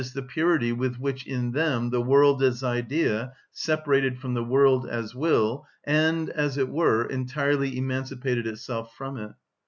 _, the purity with which in them the world as idea separated from the world as will, and, as it were, entirely emancipated itself from it.